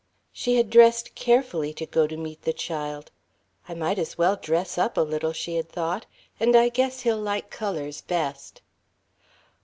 She had dressed carefully to go to meet the child. "I might as well dress up a little," she had thought, "and I guess he'll like colours best."